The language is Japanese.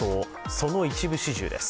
その一部始終です。